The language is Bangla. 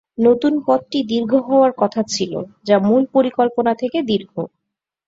নতুন পথটি দীর্ঘ হওয়ার কথা ছিল, যা মূল পরিকল্পনা থেকে দীর্ঘ।